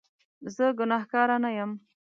زه ګناکاره نه یم